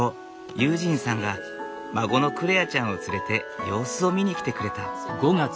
悠仁さんが孫の來愛ちゃんを連れて様子を見に来てくれた。